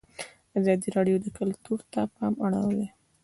ازادي راډیو د کلتور ته پام اړولی.